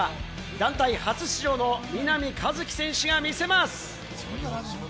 団体初出場の南一輝選手が魅せます。